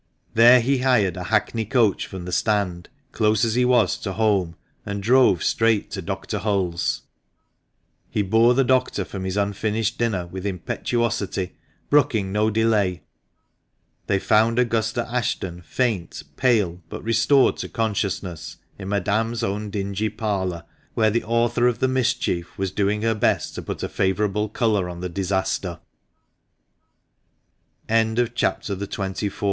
There he hired a hackney coach from the stand, close as he was to home, and drove straight to Dr. Hull's. He bore the doctor from his unfinished dinner with impetuosity, brooking no delay. They found Augusta Ashton faint, pale, but restored to consciousness, in Madame's own dingy parlour, where the author of the mischief was doing her best to put a favourable colour on the disaster. CHAPTER THE TWENTY FIFTH. RETROSPECTIVE.